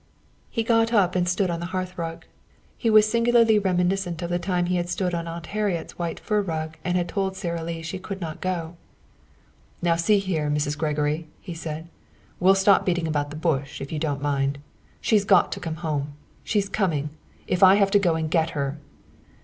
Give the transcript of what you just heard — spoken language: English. He got up and stood on the hearthrug. He was singularly reminiscent of the time he had stood on Aunt Harriet's white fur rug and had told Sara Lee she could not go. "Now see here, Mrs. Gregory," he said, "we'll stop beating about the bush, if you don't mind. She's got to come home. She's coming, if I have to go and get her!"